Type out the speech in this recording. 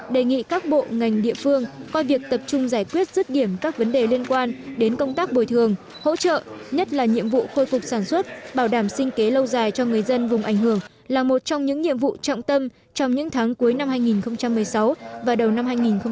đề nghị các bộ ngành địa phương coi việc tập trung giải quyết rứt điểm các vấn đề liên quan đến công tác bồi thường hỗ trợ nhất là nhiệm vụ khôi phục sản xuất bảo đảm sinh kế lâu dài cho người dân vùng ảnh hưởng là một trong những nhiệm vụ trọng tâm trong những tháng cuối năm hai nghìn một mươi sáu và đầu năm hai nghìn một mươi chín